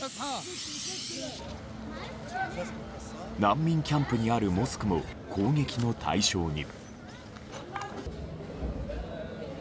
難民キャンプにあるモスクも攻撃の対象に。